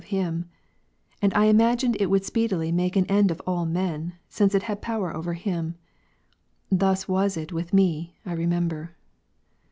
of him : and I imagined it would speedily make an end of ——— all men, since it had power over him. Thns was it with me, I remember.